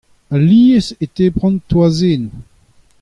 alies e tebran toazennoù.